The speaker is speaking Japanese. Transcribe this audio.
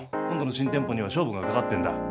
今度の新店舗には勝負がかかってんだ。